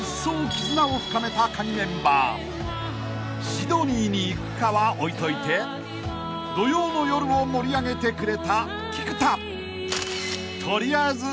［シドニーに行くかは置いといて土曜の夜を盛り上げてくれた］